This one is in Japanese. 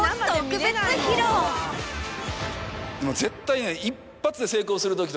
絶対ね。